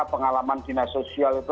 pengalaman dinas sosial itu